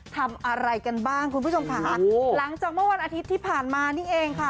ทำอะไรกันบ้างคุณผู้ชมค่ะหลังจากเมื่อวันอาทิตย์ที่ผ่านมานี่เองค่ะ